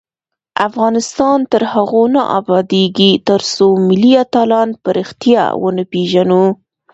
افغانستان تر هغو نه ابادیږي، ترڅو ملي اتلان په ریښتیا ونه پیژنو.